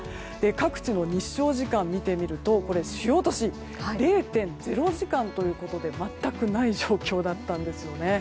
各地の日照時間を見てみると主要都市は０．０時間ということで全くない状況だったんですよね。